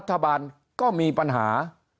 สุดสถิรภาพรัฐบาลก็มีปัญหา